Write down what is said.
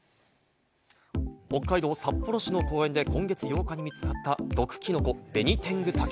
北海道札幌市の公園で今月８日に見つかった毒キノコ・ベニテングタケ。